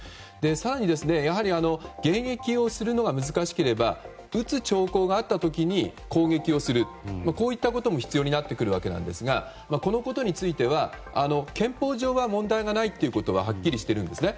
更に、迎撃をするのが難しければ撃つ兆候があった時に攻撃をするこういったことも必要になってくるわけなんですがこのことについては憲法上は問題がないということははっきりしているんですね。